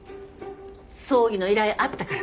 葬儀の依頼あったから。